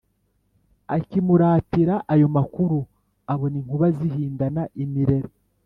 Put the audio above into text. akimuratira ayo makuru abona inkuba zihindana imirera.